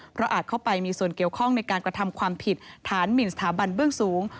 เพราะอาจเข้าไปมีส่วนเกี่ยวข้องในการกระทำความผิดฐานหมินสถาบันเบื้องสูง